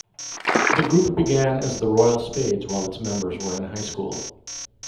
The group began as The Royal Spades while its members were in high school.